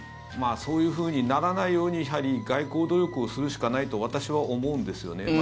そういうふうにならないようにやはり外交努力をするしかないと私は思うんですよね。